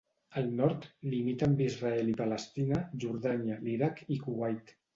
Al nord, limita amb Israel i Palestina, Jordània, l'Iraq i Kuwait.